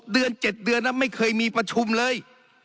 เดือน๗เดือนแล้วไม่เคยมีประชุมเลย